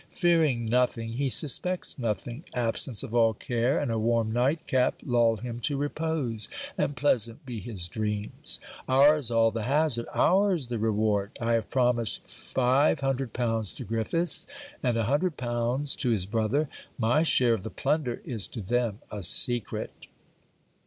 Fearing nothing, he suspects nothing; absence of all care and a warm night cap lull him to repose: and pleasant be his dreams. Ours all the hazard! Ours the reward! I have promised 500l. to Griffiths, and 100l. to his brother. My share of the plunder is to them a secret.